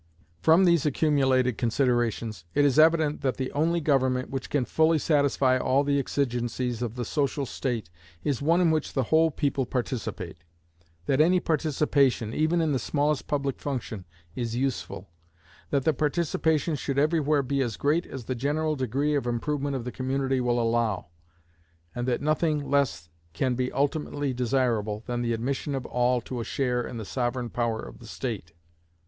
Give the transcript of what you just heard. From these accumulated considerations, it is evident that the only government which can fully satisfy all the exigencies of the social state is one in which the whole people participate; that any participation, even in the smallest public function, is useful; that the participation should every where be as great as the general degree of improvement of the community will allow; and that nothing less can be ultimately desirable than the admission of all to a share in the sovereign power of the state.